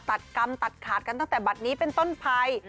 ตัดกรรมตัดขาดกันตั้งแต่บัตรนี้เป็นต้นภัย